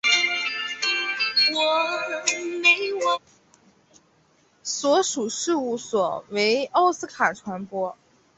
所属事务所为奥斯卡传播。